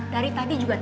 dari tadi juga